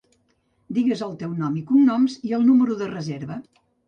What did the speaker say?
Digues el teu nom i cognoms i el número de reserva.